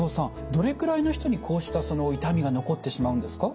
どれくらいの人にこうした痛みが残ってしまうんですか？